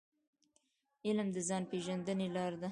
علم د ځان پېژندني لار ده.